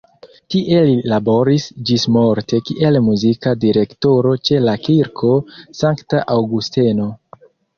Tie li laboris ĝismorte kiel muzika direktoro ĉe la Kirko Sankta Aŭgusteno.